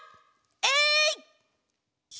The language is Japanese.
えい！